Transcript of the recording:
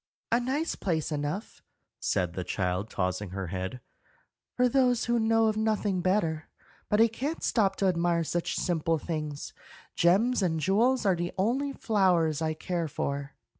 "A nice place enough," said the child, tossing her head, "for those who know of nothing better; but I can't stop to admire such simple things. Gems and jewels are the only flowers I care for."